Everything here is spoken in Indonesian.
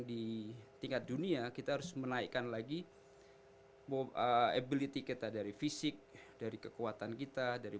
di tingkat dunia kita harus menaikkan lagi ability kita dari fisik dari kekuatan kita dari